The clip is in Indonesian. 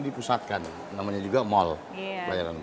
dipusatkan namanya juga mall pelayanan